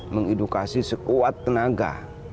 mengedukasi sekuat tenaga